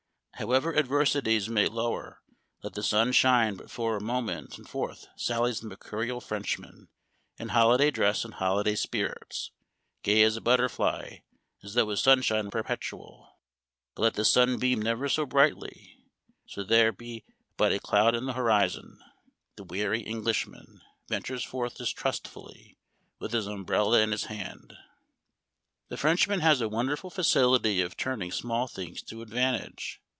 However adversities may lower, let the sun shine but for a moment and forth sallies the mercurial Frenchman, in holiday dress and holiday spirits, gay as a butterfly, as though his sunshine were perpetual ; but let the sun beam never so brightly, so there be but a cloud in the horizon, the wary Englishman 262 Memoir of Washington Irving. ventures forth distrustfully, with his umbrella in his hand. " The Frenchman has a wonderful facility of turning small things to advantage.